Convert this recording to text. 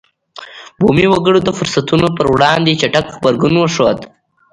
بومي وګړو د فرصتونو پر وړاندې چټک غبرګون وښود.